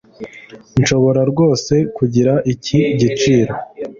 Nshobora rwose kugira iki giciro?